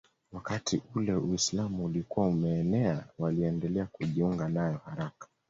Wakati ule Uislamu ulikuwa umeenea waliendelea kujiunga nayo haraka